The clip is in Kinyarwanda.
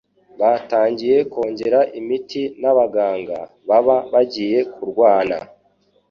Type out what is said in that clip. batangiye kongera imiti n'abaganga baba bagiye kurwana.